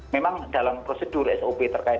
memang dalam prosedur sop terkait